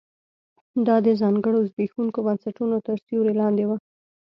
دا د ځانګړو زبېښونکو بنسټونو تر سیوري لاندې و